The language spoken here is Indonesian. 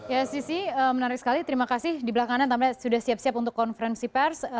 ya sisi menarik sekali terima kasih di belakangan tampaknya sudah siap siap untuk konferensi pers